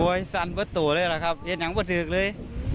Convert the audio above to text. โอ้ยสั่นประตูเลยหรอครับเย็นอย่างประถึกเลย